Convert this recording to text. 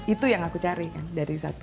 itu yang aku cari kan